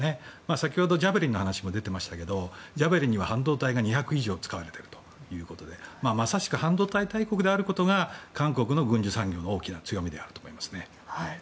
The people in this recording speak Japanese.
先ほどジャベリンの話も出てましたけどジャベリンは半導体が２００以上使われているということでまさしく半導体大国であることが韓国の軍需産業の大きな強みであると思います。